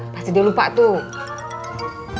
pasti dia lupa tuh